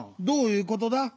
どういうことだ？